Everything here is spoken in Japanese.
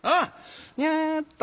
やっと。